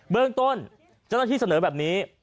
เรื่องต้นเจ้าหน้าที่เสนอแบบนี้